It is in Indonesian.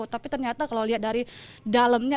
tapi ternyata kalau lihat dari dalamnya